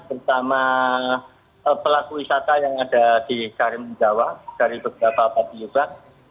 bersama pelaku wisata yang ada di karimun jawa dari beberapa patiobat